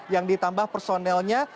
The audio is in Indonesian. yang ditambah personelnya